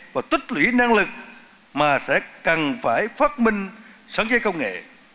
và tích lũy năng lực mà sẽ cần phải phát minh sản xuất công nghệ